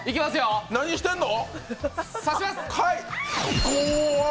何してんの！？